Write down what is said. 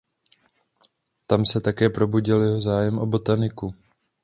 Tam se také probudil jeho zájem o botaniku.